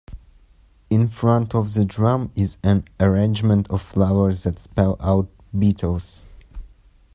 In front of the drum is an arrangement of flowers that spell out "Beatles".